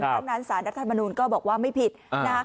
ทั้งนั้นสารรัฐธรรมนูลก็บอกว่าไม่ผิดนะฮะ